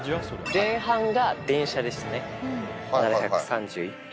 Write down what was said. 前半が電車ですね、７３１系。